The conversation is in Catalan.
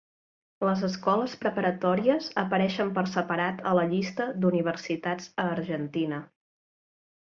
Les escoles preparatòries apareixen per separat a la llista d"universitats a Argentina.